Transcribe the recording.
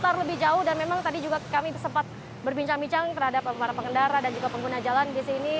tertar lebih jauh dan memang tadi juga kami sempat berbincang bincang terhadap para pengendara dan juga pengguna jalan di sini